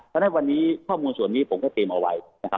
เพราะฉะนั้นพอมูลชนัดนี้ผมก็เต็มเอาไว้